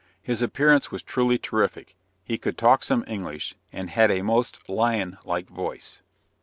His appearance was truly terrific; he could talk some English, and had a most lion like voice.